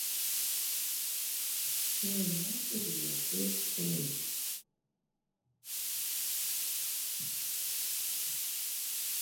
Producido por Warner Bros.